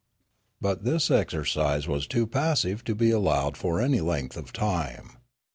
But this exercise was too passive to be allowed for any length of time.